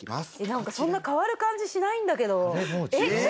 なんかそんな変わる感じしないんだけど。